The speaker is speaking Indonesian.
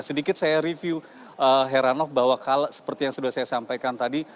sedikit saya review heranov bahwa seperti yang sudah saya sampaikan tadi